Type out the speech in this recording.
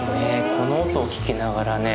この音を聞きながらね